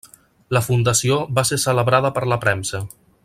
La fundació va ser celebrada per la premsa.